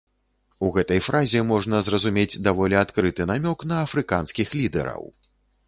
У гэтай фразе можна зразумець даволі адкрыты намёк на афрыканскіх лідэраў.